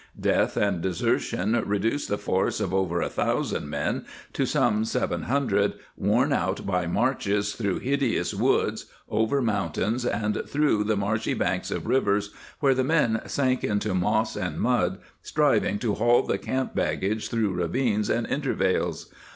Death and desertion re duced the force of over 1,000 men to some 700, worn out by marches through " hideous woods," over mountains, and along the marshy banks of rivers, where the men sank into moss and mud, striving to haul the camp baggage through ravines and intervales.